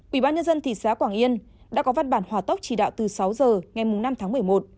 ủy ban nhân dân thị xã quảng yên đã có văn bản hòa tốc chỉ đạo từ sáu giờ ngày năm tháng một mươi một